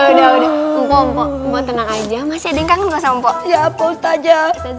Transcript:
udah udah mp empat mp empat tenang aja masih ada yang kangen sama mp empat ya post aja